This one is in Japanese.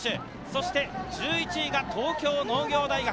そして１１位が東京農業大学。